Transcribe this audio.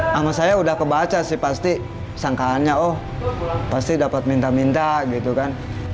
nama saya udah kebaca sih pasti sangkaannya oh pasti dapat minta minta gitu kan